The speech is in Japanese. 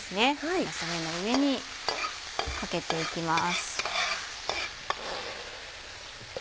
春雨の上にかけていきます。